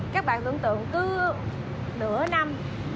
các bạn tưởng tượng từ nửa năm